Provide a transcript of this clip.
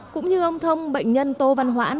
cũng như ông thông bệnh nhân tô văn hoãn